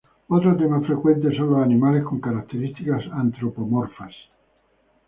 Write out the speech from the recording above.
Otro tema frecuente son los animales con características antropomorfas.